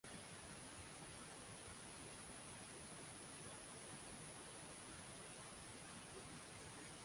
আজীবন সম্মাননা গ্রহণ করবেন অভিনেতা এটিএম শামসুজ্জামান ও অভিনেত্রী সুজাতা।